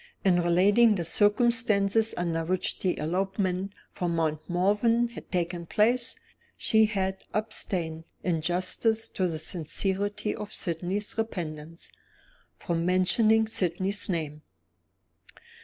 In relating the circumstances under which the elopement from Mount Morven had taken place, she had abstained, in justice to the sincerity of Sydney's repentance, from mentioning Sydney's name.